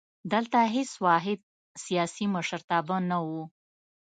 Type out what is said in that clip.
دلته هېڅ واحد سیاسي مشرتابه نه وو.